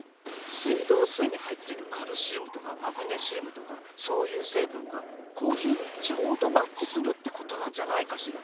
水道水に入ってるカルシウムとかマグネシウムとかそういう成分がコーヒーにちょうどマッチするってことなんじゃないかしら。